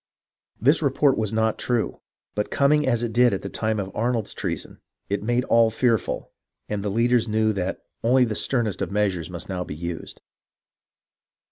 This report was not true ; but coming as it did at the time of Arnold's treason, it made all fearful, and the leaders knew that only the sternest of measures must now be used.